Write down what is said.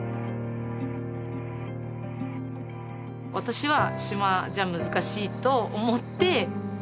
私は島じゃ難しいと思って。